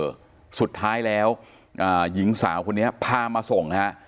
อ่า่าสุดท้ายแล้วหญิงสาวคนนี้พามาส่งนะฮะ